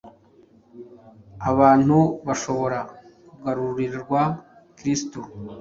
abantu bashobora kugarurirwa Kristo.